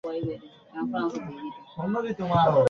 কিন্তু আমি সেটার অনুমতি দেবো না।